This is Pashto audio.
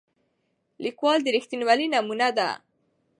لیکوال د رښتینولۍ نمونه ده.